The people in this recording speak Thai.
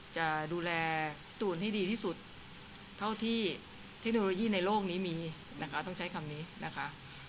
จะดูแลพี่ตูนให้ดีที่สุดเท่าที่เทคโนโลยีในโลกนี้มีนะคะต้องใช้คำนี้นะคะ